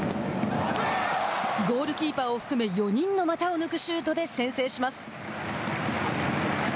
ゴールキーパーを含め４人の股を抜くシュートで先制します。